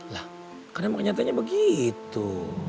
lah kan emang nyatanya begitu